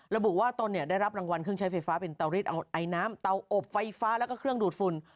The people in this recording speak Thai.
ระบุว่าตนได้รับรางวัลเครื่องใช้ไฟฟ้าเป็นเตาริดเอาไอน้ำเตาอบไฟฟ้าแล้วก็เครื่องดูดฝุ่น